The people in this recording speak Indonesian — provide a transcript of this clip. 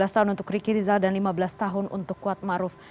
tiga belas tahun untuk riki rizal dan lima belas tahun untuk kuat maruf